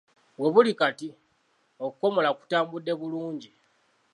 We buli kati, okukomola kutambudde bulungi.